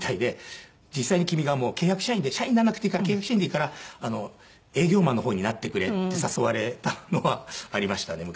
実際に君が契約社員で社員にならなくていいから契約社員でいいから営業マンの方になってくれって誘われたのはありましたね昔。